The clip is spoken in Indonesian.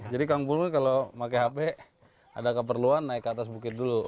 jadi kang pulung kalau pakai hp ada keperluan naik ke atas bukit dulu